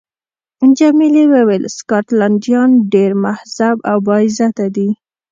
جميلې وويل: سکاټلنډیان ډېر مهذب او با عزته دي.